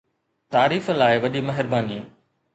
تعريف لاءِ وڏي مهرباني